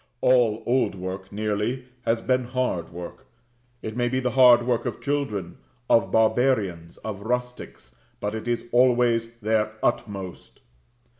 All old work nearly has been hard work. It may be the hard work of children, of barbarians, of rustics; but it is always their utmost.